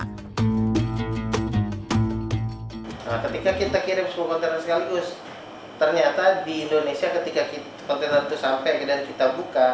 ketika kita kirim sebuah kontainer sekaligus ternyata di indonesia ketika kontainer itu sampai dan kita buka